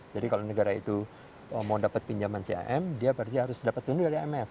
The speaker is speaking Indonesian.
jadi kalau negara itu mau dapat pinjaman cm dia berarti harus dapat pinjaman dari imf